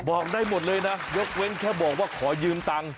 บอกได้หมดเลยนะยกเว้นแค่บอกว่าขอยืมตังค์